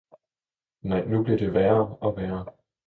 nej, nu bliver det værre og værre!